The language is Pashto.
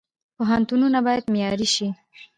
پوهنتونونه باید معیاري شي